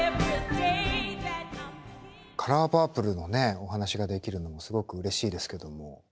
「カラーパープル」のねお話ができるのもすごくうれしいですけども。